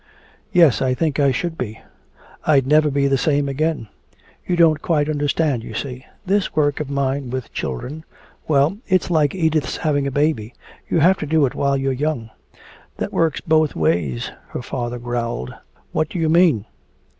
"Yes, I think I should be. I'd never be the same again. You don't quite understand, you see. This work of mine with children well, it's like Edith's having a baby. You have to do it while you're young." "That works both ways," her father growled. "What do you mean?"